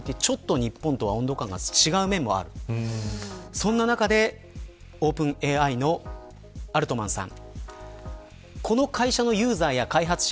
そんな中でオープンＡＩのアルトマンさん。